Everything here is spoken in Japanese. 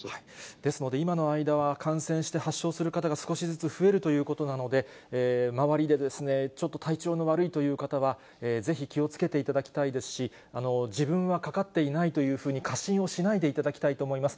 ですので、今の間は、感染して発症する方が少しずつ増えるということなので、周りでちょっと体調の悪いという方は、ぜひ気をつけていただきたいですし、自分はかかっていないというふうに過信をしないでいただきたいと思います。